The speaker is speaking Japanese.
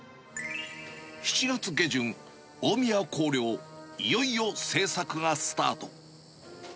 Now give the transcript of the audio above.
７月下旬、大宮光陵、いよいよ制作がスタート。